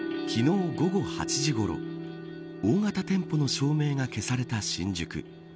昨日午後８時ごろ大型店舗の照明が消された新宿。